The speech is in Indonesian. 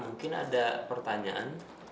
mungkin ada pertanyaan